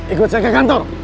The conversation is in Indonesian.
ikut saya ke kantor